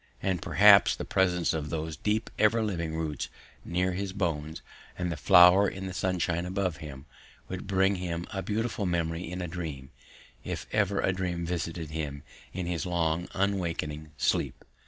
And perhaps the presence of those deep ever living roots near his bones, and of the flower in the sunshine above him, would bring him a beautiful memory in a dream, if ever a dream visited him, in his long unawakening sleep.